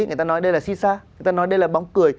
người ta nói đây là xi xa người ta nói đây là bóng cười